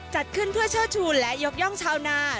จัดขึ้นเพื่อเชิดชูและยกย่องชาวนา